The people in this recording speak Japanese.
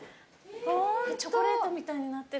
チョコレートみたいになってるのも。